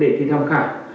để đạt kết quả khi cao